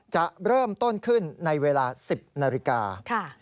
จะเริ่มต้นขึ้นในเวลา๑๐นาฬิกา